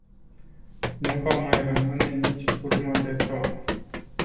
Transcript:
Nu va mai rămâne nici urmă de ton.